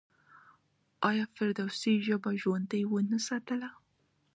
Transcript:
آیا فردوسي ژبه ژوندۍ ونه ساتله؟